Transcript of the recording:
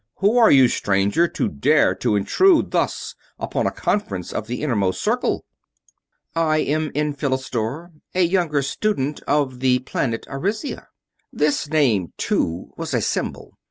Who are you, stranger, to dare to intrude thus upon a conference of the Innermost Circle?" "I am Enphilistor, a younger student, of the planet Arisia." This name, too, was a symbol.